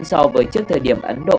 so với trước thời điểm ấn độ